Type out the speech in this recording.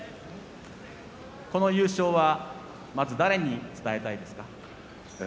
この優勝はまず誰に伝えたいですか。